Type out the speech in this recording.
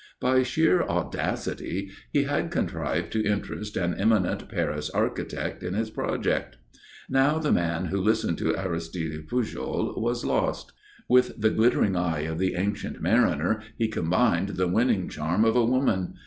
By sheer audacity he had contrived to interest an eminent Paris architect in his project. Now the man who listened to Aristide Pujol was lost. With the glittering eye of the Ancient Mariner he combined the winning charm of a woman.